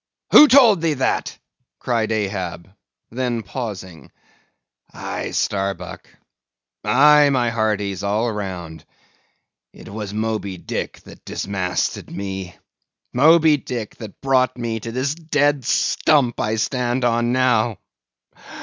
"Who told thee that?" cried Ahab; then pausing, "Aye, Starbuck; aye, my hearties all round; it was Moby Dick that dismasted me; Moby Dick that brought me to this dead stump I stand on now.